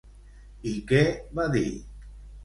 I què va dir?